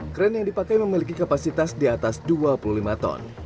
kren yang dipakai memiliki kapasitas di atas dua puluh lima ton